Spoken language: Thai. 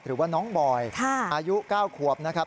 หรือว่าน้องบอยอายุ๙ขวบนะครับ